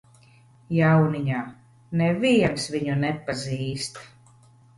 Jauniņā, neviens viņu nepazīst.